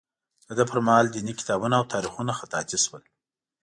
د ده پر مهال دیني کتابونه او تاریخونه خطاطي شول.